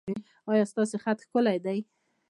ایا ستاسو خط ښکلی دی؟